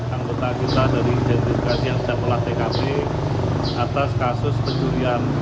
anggota kita dari jendrikasi yang sudah melatih kp atas kasus pencurian